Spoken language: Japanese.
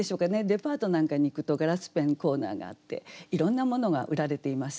デパートなんかに行くとガラスペンコーナーがあっていろんなものが売られています。